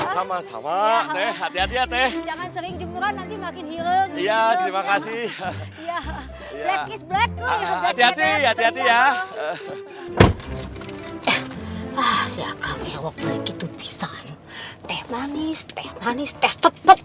siakang ewok balik itu pisang teh manis teh manis teh sepuk